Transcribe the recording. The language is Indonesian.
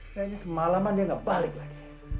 kayaknya semalaman dia nggak balik lagi